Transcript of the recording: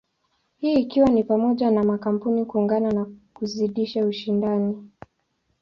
Hii ikiwa ni pamoja na makampuni kuungana na kuzidisha ushindani.